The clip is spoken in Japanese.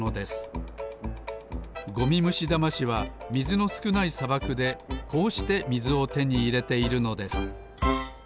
ゴミムシダマシはみずのすくないさばくでこうしてみずをてにいれているのです